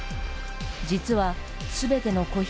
実は全ての木引